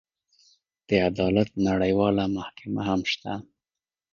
د عدالت نړیواله محکمه هم شته.